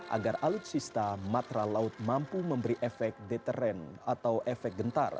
agar alutsista matra laut mampu memberi efek deteren atau efek gentar